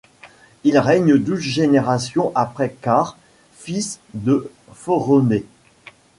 Il règne douze générations après Car, fils de Phoronée.